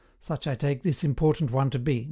Such I take this important one to be, viz.